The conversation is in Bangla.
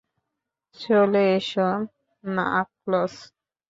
চলে এসো, নাকলস।